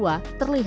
satu dua tiga